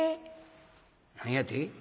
「何やて？」。